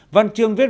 văn chương viết